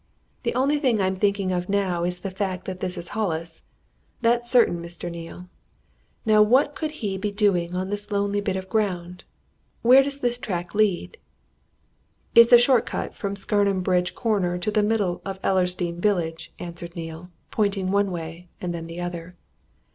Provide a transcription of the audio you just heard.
The only thing I'm thinking of now is the fact that this is Hollis! That's certain, Mr. Neale. Now what could he be doing on this lonely bit of ground? Where does this track lead?" "It's a short cut from Scarnham Bridge corner to the middle of Ellersdeane village," answered Neale, pointing one way and then the other.